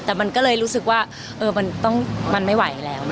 แต่มันก็เลยรู้สึกว่ามันไม่ไหวแล้ว